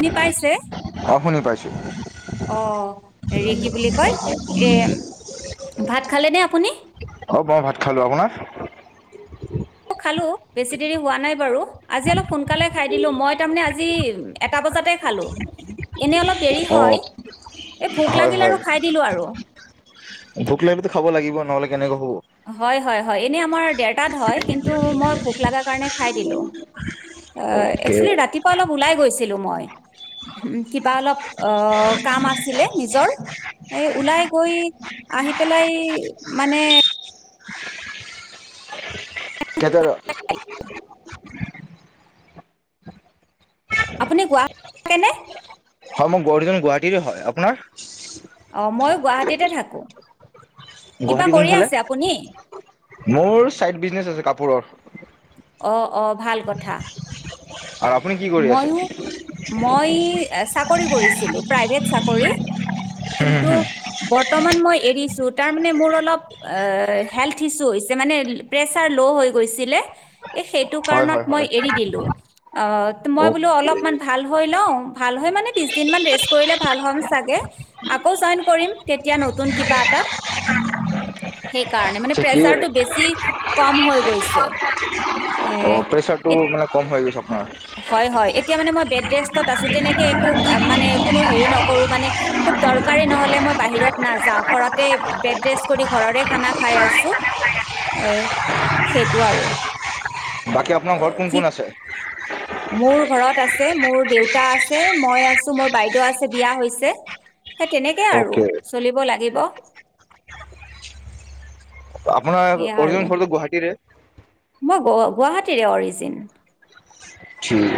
শুনি পাইছে অ শুনি পাইছো? [unintelligible] অ হেৰি কি বুলি কয় এ ভাত খালে নে আপুনি? খালোঁ আপোনাৰ? খালো বেছি দেৰি হোৱা নাই বাৰু। আজি অলপ সোনকালে খাই দিলো মই তাৰমানে আজি এটা বজাতে খালো। এনে অলপ দেৰি অ হয় এই ভোক হয় লাগিলে হয় আৰু খাই দিলো আৰু। ভোক লাগিলে খাব লাগিব ন? নহলে কেনেকে হ'ব। হয় হয় হয়, এনেই আমাৰ। দেৰতাত হয় কিন্তু মই। ভোক লগা কাৰণে খাই দিলো একেচুবেলী কেইটাৰ ৰাতিপুৱা অলপ লাই গৈছ। মই কিবা অলপ অ কাম আছিলে নিজৰ এ ওলাই গৈ আহি পেলাই। মানে। কেতৰ-। আপুনি গুৱাহাটী থাকে নে? হয় মোৰ অৰজিনেল গুৱাহাটীৰে হয় অ ময়ো আপোনাৰ? গুৱাহাটীতে থাকো। কিবা গুৱাহাটী কৰি কোনফালে আছে আপুনি মোৰ চাইড বিজনেচ আছে কাপোৰৰ। অ অ ভাল কথা। হয় [unintelligible] ময়ো মই চাক। চকৰি কৰিছিলো প্ৰাইভেট চাকৰি। কিন্তু বৰ্তমান মই। এৰিছো তাৰ মানে মোৰ অলপ হেল্থ ইছু হৈছে মানে প্ৰেচাৰ ল' হৈ গৈছিলে। এ সেইটো হয় হয় কাৰণত মই হয় এৰি দিলো অ। মই বোলো অলপমান ভাল হয়। হেল্ল, ভাল হয় মানে বিশ দিন ৰেষ্ট কৰিলে ভাল হম চাগে আকৌ জইন কৰিম তেতিয়া নতুন কিবা এটাত। উম [unintelligible] সেইকাৰণে মানে প্ৰেচাৰতটো বেছি কম হৈ গৈছে এ অ প্ৰেচাৰটো ইট। মানে কম হৈ গৈছে আপোনাৰ হয়, হয় এতিয়া মানে মই বেডৰেষ্টত আছো। তেনেকে একো মানে কোনো হেৰি নকৰো মানে খুব দৰকাৰ নহলে মই বাহিৰত নাযাও ঘৰতে বেড ৰেষ্ট কৰি ঘৰৰে খানা খাই আছো। ছো এ সেইটো আৰু। বাকী আপোনাৰ ঘৰত অ' কোন কি কোন আছে? মোৰ ঘৰত আছে মোৰ দেউতা আছে মই আছো মোৰ বাইদেউ আছে বিয়া হৈছে। সেই তেনেকে আৰু অকে চলিব লাগিব। আপোনাৰ সেয়া আৰু। অৰজিনেল ঘৰটো গুৱাহাটীৰে। মই গ গুৱাহাটীৰে অৰিজিন। ঠিক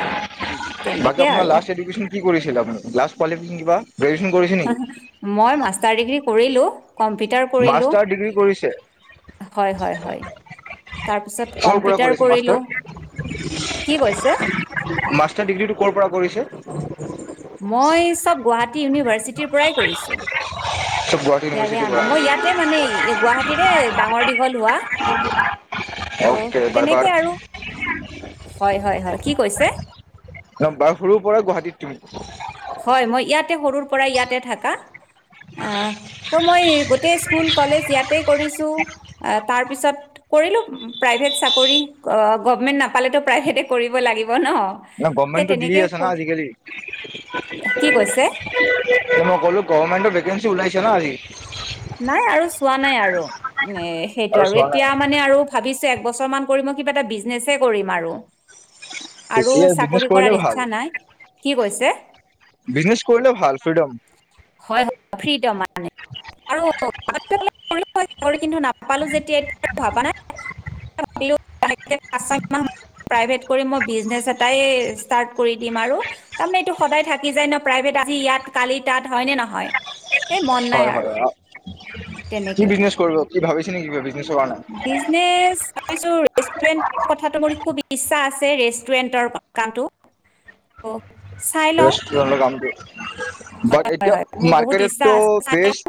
[unintelligible] বাকী তেনেকে আপোনাৰ আৰু। লাষ্ট এডুকেশ্যন কি কৰিছিলে আপোনি। লাষ্ট কোৱালিফিকেচন কিবা। গ্ৰেজুৱেশ্যন কৰিছে নেকি মই মাষ্টাৰ ডিগ্ৰী কৰিলো। কম্পিউটাৰ কৰিলো। মাষ্টাৰ ডিগ্ৰী কৰিছে, হয়, হয়, হয়। তাৰপিছত ক'ৰ পৰা কম্পিউটাৰ কৰিছে কৰিলোঁ। মাষ্টাৰ, কি কৈছে? মাষ্টাৰ ডিগ্ৰীটো ক'ৰ পৰা কৰিছে। [inaudible] মই চব গুৱাহাটী ইউনিভাৰ্ চিটিৰ পৰাই কৰিছো। গুৱাহাটী ইয়াৰে ইউনিভাৰ্চিটিৰ পৰা [unintelligible] মই ইয়াতে মানে গুৱাহাটীৰে ডাঙৰ দীঘল হোৱা ত' অকে বাৰ বাৰ তেনেকে আৰু হয় হয়-হয় কি কৈছে? বাৰ সৰুৰ পৰাই গুৱাহাটীত তুমি হয় মই ইয়া ইয়াতে সৰুৰ পৰাৰ ইয়াতে থাকা। অঁ, ত মই গোটেই স্কুল কলেজ ইয়াতে কৰিছো, অঁ তাৰ পিছত কৰিলো প্ৰাইভেট চাকৰি গভমেন্ট নাপালেতটো প্ৰাইভেটে কৰিব লাগিব। ন'। ন সেই গভমেণ্টটো তেনেকে দিয়ে আছে না ক- আজিকালি। কি কৈছে? মই ক'লো গভমেন্টৰ ভেকেঞ্চি ওলাইছে না আজি। নাই আৰু চোৱা নাই আৰু। এ সেইটো আৰু চোৱা নাই এতিয়া মানে আৰু ভাবিছে এবছৰ মান কৰি মই কিবা এটা বিজনেছ এ কৰিম আৰু। আৰু এতিয়া বিজনেছ চাকৰি কৰাৰ কৰিলে ভাল ইচ্ছা নাই। কি কৈছে, বিজনেছ কৰিলে ভাল ফ্ৰীডম হয় মই [unintelligible] খিত মানে াপো যেতিয়া ভা নাইই [unintelligible] বিনে প্ৰাইভেট কৰি দিম আৰু তাৰে এইটো সদায় থাকি যায় ন প্ৰ আহি ইয়াত কালি তাত হয়নে নহয় এ মন নাই হয় হয় আৰু। কি বিজনেছ কৰিব কি ভাবিছে নেকি? বিজনেছৰ কাৰণে বিজনেচ চাইছো ৰেষ্টুৰেণ্ট [unintelligible] কথাটো মোৰ খুব ইচ্ছা আছে ৰেষ্টুৰেন্টৰ কামটো [unintelligible] চাই লওঁ ৰেষ্টোৰেণ্টৰ কামটো বাট এতিয়া মোৰ বহুত ইচ্ছা মাৰ্কেটটো আছে বেইষ্ট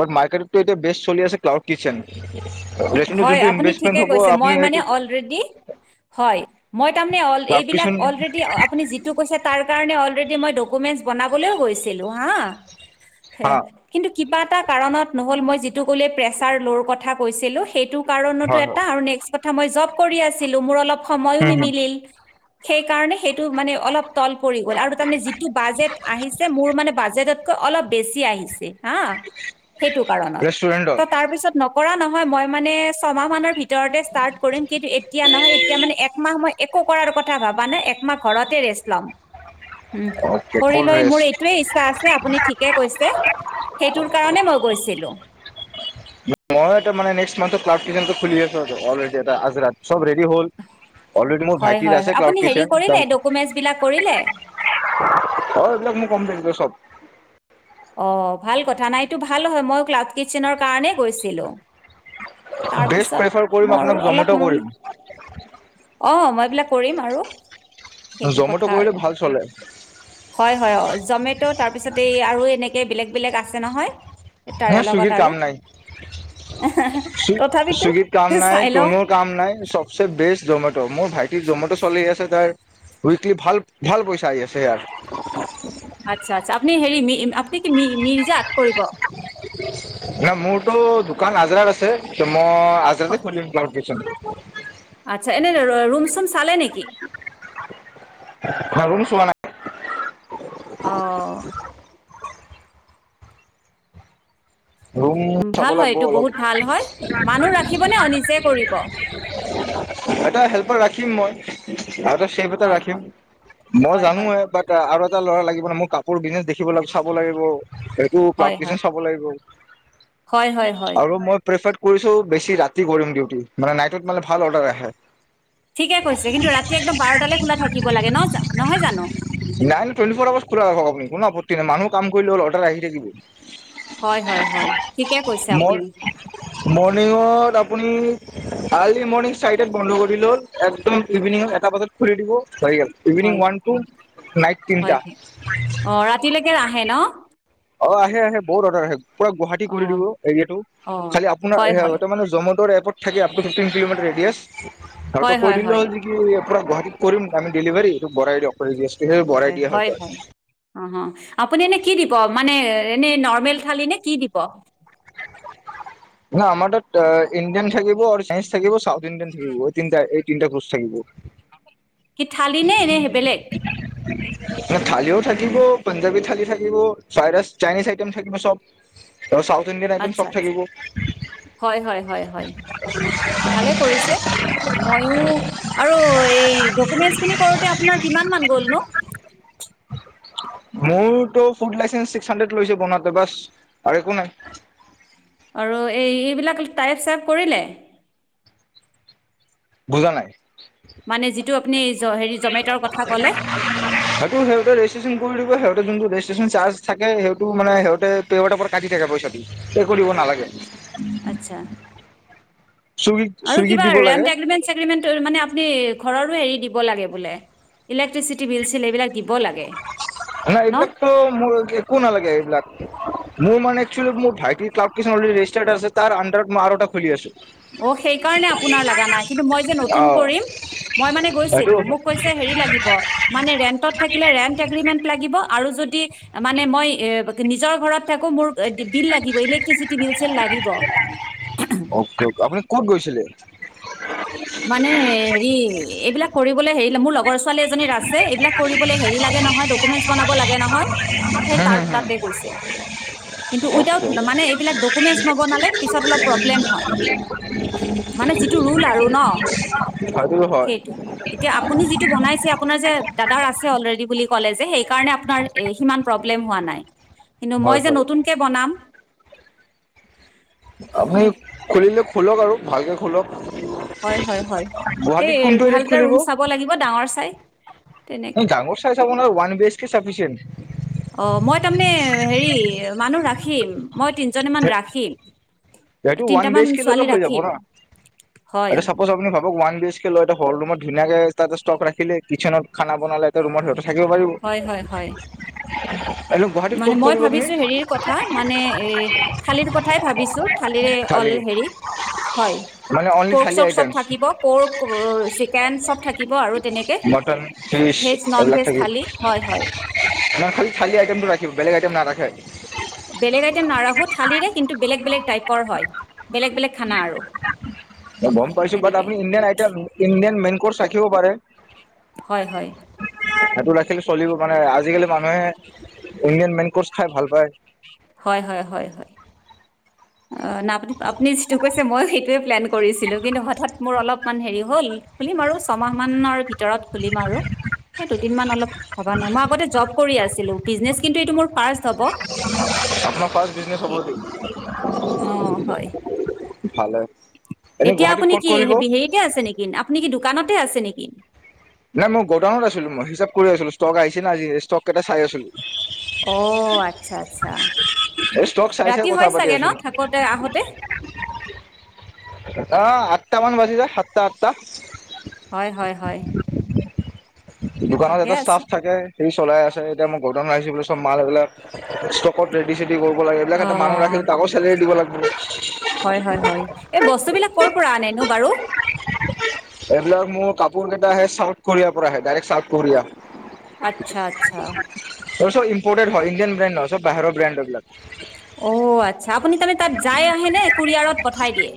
বাট মাৰ্কেটতটটো এতিয়া বেষ্ট চলি আছে ক্লাউড কিচেন। হয় যোনটো আপুনি ইনভেষ্টমেণ্ট ঠিকেই হ'ব কৈছে, আপুনি মই মানে সেইটো অ'লৰেডি হয় মই তাৰমানে অল ক্লাব এইবিলাক কিচোন অ'লৰেডি আপুনি যিটো কৈছে তাৰ তাৰ কাৰণে অ'লৰেডী মই ডকুমেণ্টচ বনাবলৈও গৈছিলো, হা হ হা কিন্তু কিবা এটা কাৰণত নহ'ল মই যেতি প্ৰেচাৰ ল'ৰ কথা কৈছিলোঁ সেইটো কাৰণতো হয় এটা হয় আৰু নেক্স্ট [unintelligible] মই জব কৰি আছোঁ ছিলো মোৰ অলপ সময়ো নিমিলিল। সেইকাৰণে সেই টো মানে অলপ তল পৰি গ'ল আৰু তাৰ মানে যিটো বাজেট আহিছে মোৰ মানে বাজেটত কৈ অলপ বেছি আহিছে হা, সেইটো কাৰণত ৰেষ্টুৰেণ্টত তাৰপিছত ন কৰা নহয় মই মানে ছয়মাহ মানৰ ভিত ভিতৰতে ষ্টাৰ্ত কৰিম কিন্তু এতিয়া নহয় এতিয়া মানে একমাহ মই একো কৰাৰ কথা ভবা নাই একমাহ ঘৰতে ৰেষ্ট লম। অকে কৰি ফুল লৈ মোৰ ৰেষ্ট এইটোৱে ইচ্ছা আছে আপুনি ঠিকে কৈছে, সেইটোৰ কাৰণে মই গৈছিলো। মই এ তাৰমানে নেক্সট মানঠত [unintelligible] খুলি আছো অলৰেড এটা আজৰাত চব ৰেডী হ'ল, অলৰেডী মোৰ হয়, ভাইটিৰ হয়, হয়, আছে ক্লাউড আপুনি হেৰি কৰিলে ডকুমেন্টচ বিলাক কৰিলে? কিটচেন, অ', এইবিলাক মোৰ কমপ্লিট সব অ', ভাল কথা নাই এটো ভাল হয়, মই ক্লাউড কিটচেনৰ কাৰণেই গৈছিলো। বেষ্ট তাৰপিছত প্ৰেফাৰ কৰিম মোৰ আপোনাক অলপ জমেট' কৰিম [unintelligible] অ', মই বিলাক কৰিম আৰু। সেইটো জমেট' কথা কৰিলে আৰু ভাল চলে হয়-হয় অ', জমেট' তাৰ পিছতে এই আৰু এ তেনেকে বেলেগ বেলেগ আছে নহয়। তাৰে অ', লগত চুইগীৰ আৰু কাম নাই, তথাপিতো চুইগীৰ কাম নাই, চাই লওঁ। [unintelligible] কাম নাই চবচে বেষ্ট জমেট' ত' মোৰ ভাইটিৰ জমট' চলি আছে তাৰ, উইকলি ভাল-ভাল পইচা আহি আছে ইয়াৰ। আটচ্ছা, আটচ্ছা আপুনি হেৰি মি আপুনি কি মি-মিৰ্জাত কৰি [unintelligible] নাই, মোৰটো দোকান আজাৰাত আছে মই আজাৰাতে খুলিম ভাবিছোঁ। [inaudible] আটচ্ছা, এনে ৰু-ৰুম চুম চালে নেকি? ৰুম চোৱা নাই। অ'। ৰুম উম, চাব ভাল হয় লাগিব এইটো অলপ, বহুত ভাল হয় মানুহ ৰাখিবনে অ নিজে কৰিব এটা হেল্পাৰ ৰাখিম মই। [inaudible] আৰু এটা সেফ এটা হয় ৰাখিম, হয় মই হয় হয় জানোৱে বাট আৰু এটা ল'ৰা লাগিব ন মোক। কাপোৰ কিনে। দেখিব লাগ চাব লাগিব, সেইটো হয় ক্লাউড হয় কিটচেন চাব লাগিব। হয়', - হয়', - হয়', ৰ কৰিছোঁ, বেছি ৰাতি কৰিম উিউতি মানে নাইটত মানে ভাল অৰ্ডাৰ আহে। ঠিকে কৈছে, কিন্তু ৰাতি একদম বাৰটালে খোলা থাকিব লাগে ন জা নহয় জানো? নাইন টুৱেণ্টি ফ'ৰ আৱাৰ্চ খোলা ৰাখক আপুনি কোনো আপত্তি নাই মানুহ কাম কৰিলে হ'ল অৰ্ডাৰ আহি থাকিব হয়', -হয়', -হয়', ঠিকে কৈছে আপুনি। মৰ্নিংত আপুনি আৰ্লি মৰ্নিং চাৰিটাত বন্ধ কৰি ল'ল, একদম ইভিনিংত এটা বজাত খুলি দিব। [unintelligible] ইভিনং হয় ওৱান টু নাইট তিনিটা। হয় হয় অ ৰাতিলৈকে আহে ন অহ', আহে-আহে বহুত অৰ্ডাৰ আহে। পুৰা গুৱাহাটী অ কৰি দিলো এৰিয়াটো অ খালী আপোনাৰ হয় হয় এহ মানে জমাট' এপত থাকি আপুনি [unintelligible] য়েছ। আৰু টো হয় কৈ হয় দিলে হয় হল যি কি আপোনাক গুৱাহাটী কৰিম আমি ডেলিভাৰী এইটো বঢ়াই দিয়ক কৰি দি আছোঁ। কেতিয়াবা বঢ়াই দিয়া হৈ গ'ল। অহ', আপুনি এনে কি দিব মানে এনে নৰ্মেল থালি নে? কি দিব? ন আমাৰ তাত অহ',। ইণ্ডিয়ান থাকিব আৰু এছ থাকিব চাউথ ইণ্ডিয়ান থাকিব এই তিনটাই। তিনটা ৰ্কচ থাকিব। কি থালি নে? এনে বেলেগ ন থালিও থাকিব পাঞ্জাবী থালি থাকিব চাইৰাছ চাইনিজ আইটেম থাকিব চব। আৰু চাউথ ইণ্ডিয়ান আইটেম চব আচ্ছা- আচ্ছা থাকিব হয়- হয় -হয় -হয়, ভালে কৰিছে ময়ো আৰু এই দ ডকুমেণ্টছ খিনি কৰোতে আপোনাৰ কিমান মান গ'ল নো? মোৰতো ফুড লাইচেঞ্চ ছিক্স হাড্ৰেড লৈছে বনাতে বাছ আৰু একো নাই। আৰু এই এইবিলাক টাইপ চাইপ কৰিলে? বুজা নাই। মানে যিটো আপুনি জ হেৰি জমেটৰ কথা ক'লে। সেইটো [unintelligible] সিহঁতে যোনটো ৰেজিষ্ট্ৰেচন চাৰ্জ থাকে সেইটো মানে পেআউটৰ পৰা কাটি দে পইচাটো। পে কৰিব নালাগে। আচ্ছা। চুইগিত আৰু চুইগিত কিবা দিব লাগে ৰেণ্ট এগ্ৰিমেণ্ট চিগ্ৰিমেণ্ট মানে আপুনি ঘৰৰো‌‌ হেৰী দিব লাগে বুলে ইলেকট্ৰিচিটি বিল চিল এইবিলাক দিব লাগে। নাই! ন? এইবিলাকতো মোৰ একো নালাগে। এইবিলাক? মোৰ মানে‌, একচুৱেলি মোৰ ভাইটিৰ ক্লাউদ কিটচেনৰ ৰেজিষ্টাৰ আছে। মই তাৰ আনদাৰত আৰু এটা খুলি আছোঁ। অ' সেই কাৰণে, আপোনাৰ লগা নাই। কিন্তু, মই যে নতুন অ কৰিম, মই মানে সেইটো গৈছিলো। অকে মোক কৈছে, হেৰি‌ লাগিব, মানে ৰেন্টত থাকিলে ৰেন্ট এগৰিমেনত লাগিব আৰু যদি মানে, মই নিজৰ ঘৰত আকৌ মোৰ বিল লাগিব। ইলেক্ট্ৰিচিটি বিল চিল লাগিব। অকে আপুনি ক'ত গৈছিলে? মানে হেৰি, এইবিলাক কৰিবলৈ হেৰি মোৰ লগৰ ছোৱালী এজনীৰ আছে। এইবিলাক কৰিবলৈ হেৰি লাগে নহয়, ডকুমেণ্ট বনাব লাগে নহয়, ‌সেই তাৰ তাতে গৈছে। কিন্তু, ওইদাওত অকে মানে, এইবিলাক ডকুমেণ্ট নবনালে পিছত অলপ প্ৰবলেম হয়, মানে‌ যিটো ৰুল আৰু। ন [unintelligible] হয়। সেইটো এতিয়া আপুনি যিটো বনাইছে আপোনাৰ দাদাৰ আছে অলৰেডি বুলি ক'লে যে, সেই কাৰণে আপোনাৰ সিমান প্ৰব্লেম হোৱা নাই। কিন্তু, মই হয় যে হয় নতুনকে বনাম। আপুনি এ, খুলিলে খোলক আৰু ভালকৈ খোলক। হয়, হয়, হয়, সেই গুৱাহাটীত কোনটো ভাল এৰিয়াত এটা ৰুম চাব লাগিব ডাঙৰ চাই। অই তেনেকে ডাঙৰ চাইজ হ'ব নে ওৱান বেচ কে চাফিচিয়াট। অ' মই তাৰমানে হেৰি, মানুহ ৰাখিম, মই তিনিজনী মান ৰাখিম। এইটো ওৱান বি তিনটামান এছ কে ল'লে ছোৱালী হৈ যাব ৰাখিম না। হয় চাপচ আপুনি ভাৱক ওৱান বি এছকে লৈ এটা সৰু ৰুমত ধুনীয়াকে তাত ষ্টক ৰাখিলে। কিটচেনত খানা বনালে এটা ৰুমত থাকিব পাৰিব। হয় হয় হয় [unintelligible] মানে, ক'ত মই কৰিব আপুনি ভাবিছোঁ হেৰিৰ কথা। মানে, এ' থালিৰ কথাই ভাবিছোঁ। [unintelligible] পৰ্ক চৰ্ক থালি মানে অনলি থালি চব আইটেমছ থাকিব, পৰ্ক চিকেন চব থাকিব আৰু তেনেকে মটন ফিচ ভেজ, নন এইবিলাক ভেজ থাকিব থালি। হয় হয়। কি বেলেগ আইটেম নাৰাখে। বেলেগ আইটেম নাৰখো। থালিৰে কিন্তু, বেলেগ বেলেগ টাইপ। ক'ৰ হয়? বেলেগ বেলেগ। খানা আৰু গম পাইছোঁ। বাট তেনেকে আপুনি ইণ্ডিয়ান আইটেম ইণ্ডিয়ান মেনু [unintelligible] পাৰে। হয় হয়। ৰাখিলোঁ। চলিব মানে, আজিকালি। মানুহে। ইণ্ডিয়ান মেন কোৰ্চ খাই ভাল পায়। হয় হয় হয় হয়। অ, না আপুনি, আপুনি যিটো কৈছে মই সেইটো টোৱে প্লেন কৰিছিলো। কিন্তু হঠাত মোৰ অলপ হেৰি হল, খুলিম আৰু ছমাহ মানৰ ভিতৰত খুলিম আৰু। সে দুদিন মান অলপ, ভবা নাই। মই আগতে জব কৰি আছিলো, বিজনেচ কিন্ত এইটো মোৰ ফাৰ্ষ্ট হ'ব। আপোনাৰ ফাৰ্ষ্ট বিজনেছ হ'ব সেইটো? অ হয়। ভালে এনে এতিয়া গুৱাহাটীত আপুনি ক'ত কি, কৰিব? হে হেৰিতে আছে নেকি? আপুনি কি দোকানত তে আছে নেকি? নাই মই গ'ডাউনত আছিলো মই, হিচাপ কৰি আছিলো ষ্টক আহিছে না আজি, ষ্টক কেইটা চাই আছিলোঁ। অ', আচ্ছা আচ্ছা। এই ষ্টক চাই চাই ৰাতি কথা হয় পাতি চাগে ন আছো থাকোঁতে আহোঁতে। অ আঠটা মান বাজি যায়, সাতটা আঠটা। হয় হয় হয় দোকানত ঠিকে এটা আছে ষ্টাফ থাকে, সি চলাই আছে। এতিয়া মই গুডাউন আহিছো বুলি মাল বিলাক ষ্টকত ৰেডি চেডি কৰিব লাগে এইবিলাক অ, এটা মানুহ ৰাখিলে তাকো চেলেৰি দিব লাগিব। হয় হয় হয়। এই বস্তু বিলাক ক'ৰ পৰা আনেনো? বাৰু, এইবিলাক মোৰ কাপোৰ কেইটা আহে, চাউথ কোৰিয়াৰ পৰা আহে। Direct south Korea. আচ্ছা আচ্ছা। এই চব ইম্পৰ্টেদ হয়, ইণ্ডিয়ান ব্ৰাণ্ড নহয়। চব বাহিৰৰ ব্ৰাণ্ড হয় এইবিলাক। অ আচ্ছা, আপুনি তাৰমানে তাত যাই আহে নে কুৰিয়াৰত পঠাই দিয়ে?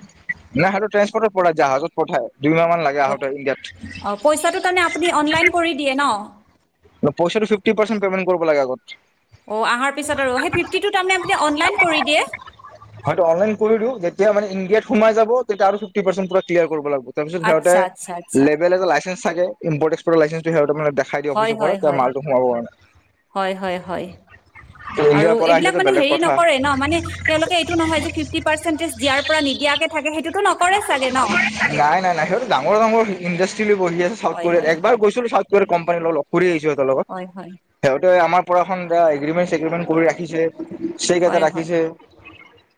নাই সেইটো ট্ৰাঞ্চপ'ৰ্টৰ পৰা জাহাজত পঠায়। অ পইচাটো তাৰমানে আপুনি অনলাইন কৰি দিয়ে ন! ন পইচাটো ফিফটি পাৰ্চেন্ট পেমেণ্ট কৰিব লাগে আগত। অ আহাৰ পিছত আৰু। সেই ফিফটিটো তাৰমানে আপুনি অনলাইন কৰি দিয়ে? হয়তো অনলাইন কৰি দিওঁ যেতিয়া মানে ইণ্ডিয়াত সোমাই যাব, তেতিয়া আৰু ফিফটি পাৰ্চেন্ট পুৰা ক্লিয়াৰ কৰিব লাগিব। তাৰপিছত সিহঁতে, আচ্ছা আচ্ছা আচ্ছা লেবেল এটা লাইচেঞ্চ থাকে। ইম্পৰটেস্ক পুৰা লাইচেন্স থাকে, সে ত মানে দেখাই দিয়ে হয় অফিচত হয়। হয় হয় হয়। আৰু ইণ্ডিয়াৰ পৰা এইবিলাক আহিলেতো মানে বেলেগ হেৰি কথা নকৰে ন, মানে তেওঁলোকে এইটো নহয় যে ফিফটি পাৰ্চেন্টেজ দিয়াৰ পৰা নিদিয়াকে থাকে সেইটো নাই নাই নাই, সিহঁতে তো ডাঙৰ ডাঙৰ ইণ্ডাষ্ট্ৰি লৈ বহি আছে চাউথ হয় কোৰিয়াত। হয় একবাৰ হয় গৈছিলো চাউথ কোৰিয়াৰ কোম্পানীৰ লগত ফুৰি আহিছোঁ সিহঁতৰ লগত। হয় হয় সিহঁতে আমাৰ পুৰা সন্ধিয়া এগ্ৰিমেণ্ট চেগ্ৰিমেণ্ট কৰি ৰাখিছে। সেইকেইটা হয় হয় ৰাখিছে।